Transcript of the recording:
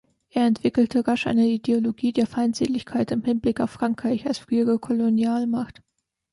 Er entwickelte rasch eine Ideologie der Feindseligkeit im Hinblick auf Frankreich als frühere Kolonialmacht.